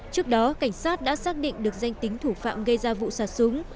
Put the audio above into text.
trước đó cảnh sát đã xác định được danh tính thủ phạm gây ra vụ sạt súng